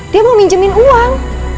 dia mau minjemin uang